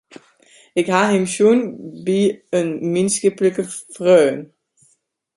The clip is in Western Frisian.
Ik ha him sjoen by in mienskiplike freon.